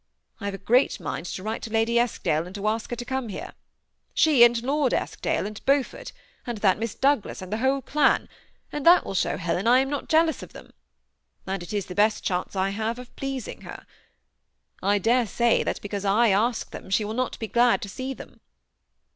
I have a great mind to write to Lady EskdaJe^ and to ask her to oome here* She and Lord Eskdale^ and Beaufort, and that Miss Douglas, and the whol^ elan ; and that will show Helen I am not jealous of them, and it is the best chance I have of pleasing her* I dare say, that, because / ask them, she will not be glad to see them.